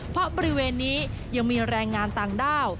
เพราะบริเวณนี้ยังมีแรงงานต่างด้าว